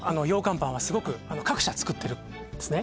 パンはすごく各社作ってるんですね